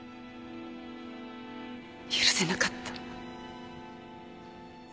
許せなかった。